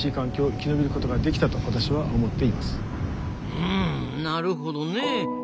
うんなるほどねえ。